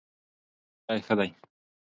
زما ملګرۍ ښه دی